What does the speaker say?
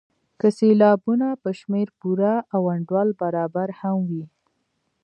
که سېلابونه په شمېر پوره او انډول برابر هم وي.